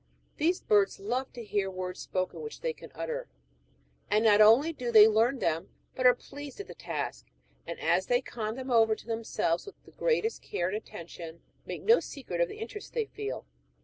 These birds love to hear words spoken which they can utter ; and not only do they learn them, but are pleased at the task ; and as they con them over to themselves with the greatest care and attention, make no secret of the interest they feel.